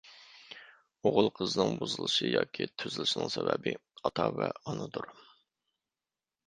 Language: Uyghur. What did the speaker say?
ئوغۇل قىزنىڭ بۇزۇلۇشى ياكى تۈزىلىشىنىڭ سەۋەبى ئاتا ۋە ئانىدۇر.